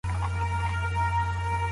خصوصي سکتور د اقتصاد د ملا تیر دی.